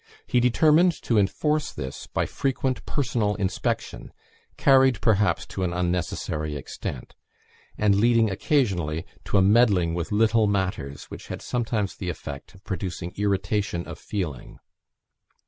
He determined to enforce this by frequent personal inspection; carried perhaps to an unnecessary extent, and leading occasionally to a meddling with little matters, which had sometimes the effect of producing irritation of feeling.